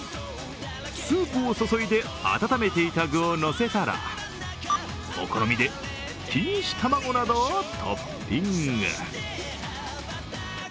スープを注いで温めていた具を乗せたらお好みで錦糸卵などをトッピング。